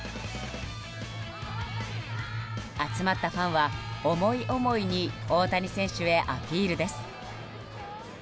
集まったファンは、思い思いに大谷選手へアピールです。